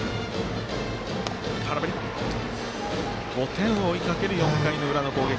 ５点を追いかける４回の裏の攻撃。